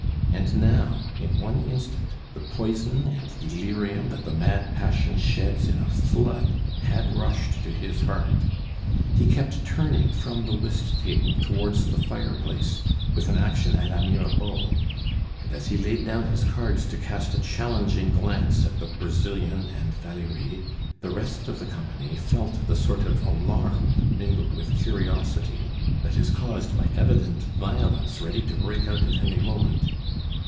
And now, in one instant, the poison and delirium that the mad passion sheds in a flood had rushed to his heart. He kept turning from the whist table towards the fireplace with an action a la Mirabeau; and as he laid down his cards to cast a challenging glance at the Brazilian and Valerie, the rest of the company felt the sort of alarm mingled with curiosity that is caused by evident violence ready to break out at any moment.